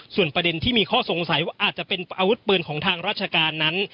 ส่วนประเด็นที่มีข้อสงสัยว่าอาจจะเป็นอาวุธปืนของทางราชการนั้น